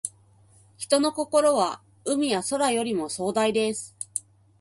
人の心は、海や空よりも壮大です。